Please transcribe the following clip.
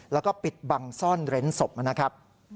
แล้วก็ปิดบังซ่อนเร้นศพนะครับ